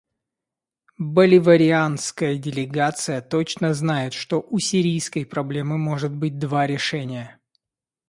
Боливарианская делегация точно знает, что у сирийской проблемы может быть два решения.